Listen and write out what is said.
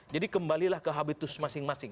jadi kembalilah ke habitus masing masing